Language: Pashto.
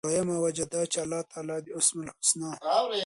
دویمه وجه دا چې الله تعالی د أسماء الحسنی،